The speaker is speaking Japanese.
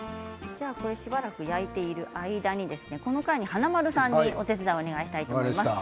しばらく焼いている間にこの間に華丸さんにお手伝いお願いしたいと思います。